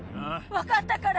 わかったから。